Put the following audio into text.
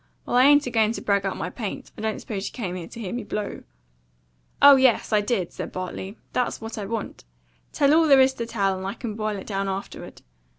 Well, I ain't a going to brag up my paint; I don't suppose you came here to hear me blow." "Oh yes, I did," said Bartley. "That's what I want. Tell all there is to tell, and I can boil it down afterward.